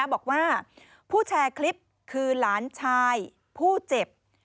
บอกว่าผู้แชร์คลิปคือหลานชายผู้เจ็บ